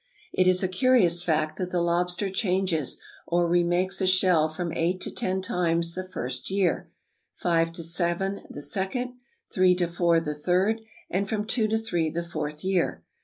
It is a curious fact, that the lobster changes or re makes a shell from eight to ten times the first year, five to seven the second, three to four the third, and from two to three the fourth year.